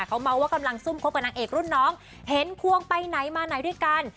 เขาเมาส์ว่ากำลังซุ่มคบกับนางเอกรุ่นน้องเห็นควงไปไหนมาไหนด้วยกัน